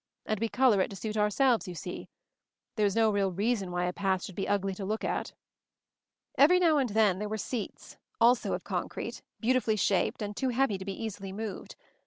And we color it to suit ourselves, you see. There was no real reason why a path should be ugly to look at." Every now and then there were seats; also of concrete, beautifully shaped and too heavy to be easily moved.